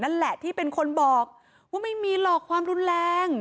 นั่นแหละที่เป็นคนบอกว่าไม่มีหรอกความรุนแรง